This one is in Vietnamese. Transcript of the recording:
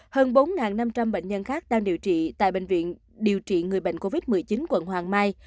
hơn bốn năm trăm linh bệnh nhân khác đang điều trị tại bệnh viện điều trị người bệnh covid một mươi chín quận hoàng mai